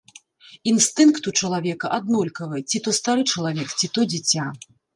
Інстынкт у чалавека аднолькавы, ці то стары чалавек, ці то дзіця.